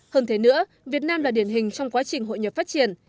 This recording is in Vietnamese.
hơn thế nữa việt nam là điển hình trong quá trình hội nhập phát triển